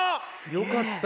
よかった。